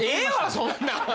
そんなん！